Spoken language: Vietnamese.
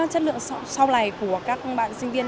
chất lượng sau này của các bạn sinh viên